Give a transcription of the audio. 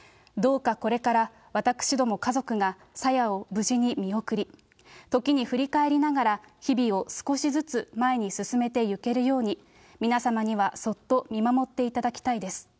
どうか、これから私ども家族がさやを無事に見送り、時に振り返りながら、日々を少しずつ前に進めてゆけるように、皆様にはそっと見守っていただきたいです。